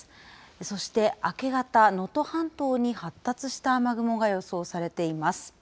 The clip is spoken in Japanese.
そして、明け方、能登半島に発達した雨雲が予想されています。